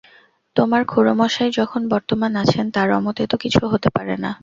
তোমার খুড়োমশায় যখন বর্তমান আছেন তাঁর অমতে তো কিছু হতে পারে না।